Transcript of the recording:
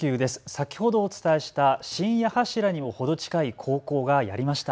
先ほどお伝えした新八柱にも程近い高校がやりました。